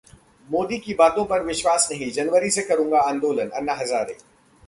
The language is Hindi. मोदी की बातों पर विश्वास नहीं, जनवरी से करूंगा आंदोलन: अन्ना हजारे